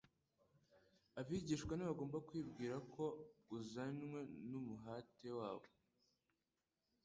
Abigishwa ntibagombaga kwibwira ko uzanywe n'umuhati wabo.